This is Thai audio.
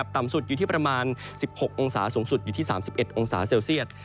ต่ำสุดอยู่ที่ประมาณ๑๖องศาสูงสุดอยู่ที่๓๑องศาเซลเซียต